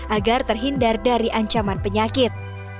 agar terhindar dari ancaman penyakit